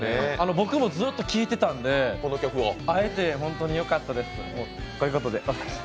僕もずっと聴いてたんで会えてホントによかったです、こういうことで。